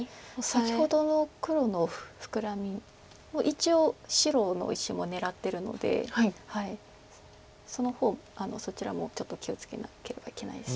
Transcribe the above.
先ほどの黒のフクラミも一応白の石も狙ってるのでそちらもちょっと気を付けなければいけないです。